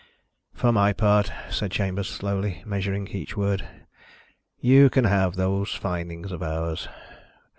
"For my part," said Chambers, slowly, measuring each word, "you can have those findings of ours.